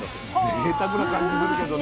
ぜいたくな感じするけどね。